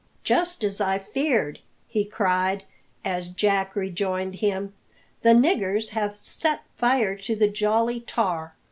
"Just as I feared!" he cried, as Jack rejoined him. "The niggers have set fire to the Jolly Tar.